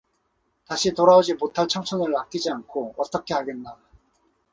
다시 돌아오지 못할 청춘을 아끼지 않고 어떻게 하겠나.